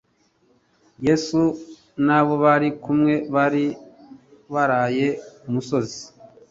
Yesu n'abo bari kumwe bari baraye ku musozi,